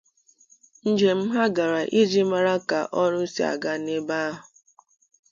njem ha gara iji mara ka ọrụ si aga n'ebe ahụ.